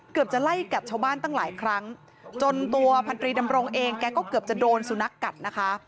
จะไล่กัดชาวบ้านตั้งหลายครั้งจนตัวพันตรีดำรงเองแกก็เกือบจะโดนสุนัขกัดนะคะ